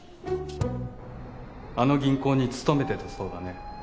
あの銀行に勤めてたそうだね。